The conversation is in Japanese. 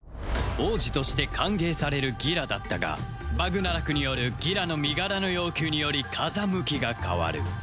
王子として歓迎されるギラだったがバグナラクによるギラの身柄の要求により風向きが変わる